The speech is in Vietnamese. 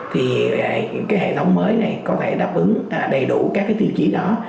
thì cái hệ thống mới này có thể đáp ứng đầy đủ các cái tiêu chí đó